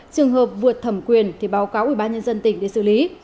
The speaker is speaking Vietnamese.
trường hợp vượt thẩm quyền thì báo cáo ubnd tỉnh để xử lý